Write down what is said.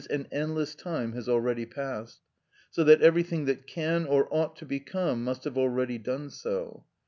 _, an endless time, has already passed, so that everything that can or ought to become must have already done so.